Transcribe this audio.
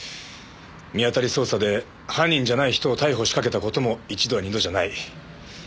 見当たり捜査で犯人じゃない人を逮捕しかけた事も一度や二度じゃない。